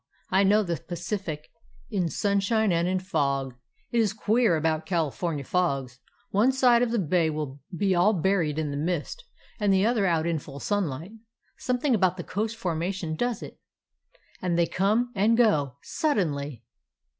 I know the Pacific in sun shine and in fog. It is queer about California fogs. One side of the bay will be all buried in the mist, and the other out in full sunlight. Something about the coast formation does it. And they come and go — suddenly."